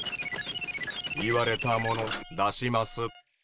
言われたもの出します。